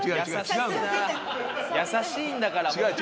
優しいんだからもう。